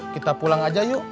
kita pulang aja yuk